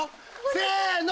せの！